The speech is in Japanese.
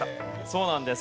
そうなんです。